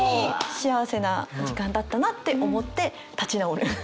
幸せな時間だったなって思って立ち直る。